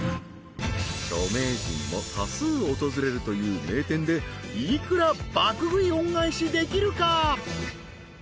［著名人も多数訪れるという名店で幾ら爆食い恩返しできるか？］